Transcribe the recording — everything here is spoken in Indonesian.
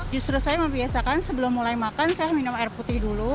justru saya membiasakan sebelum mulai makan saya minum air putih dulu